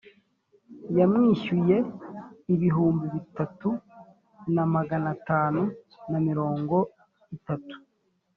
yamwishyuye ibihumbi bitatu na magana atandatu na mirongo itatu